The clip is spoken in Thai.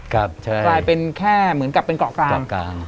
กลายเป็นแค่เหมือนกับเป็นเกาะกลาง